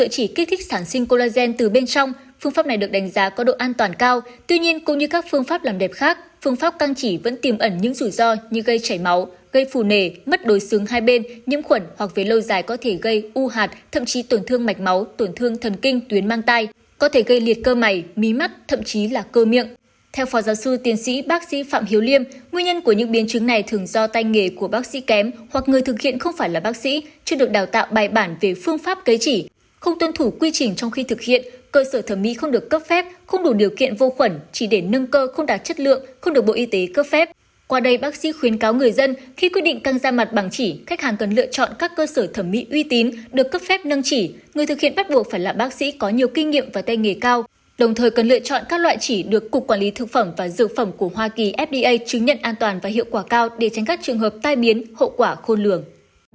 các loại chỉ được cục quản lý thực phẩm và dược phẩm của hoa kỳ fda chứng nhận an toàn và hiệu quả cao để tránh các trường hợp tai biến hậu quả khôn lường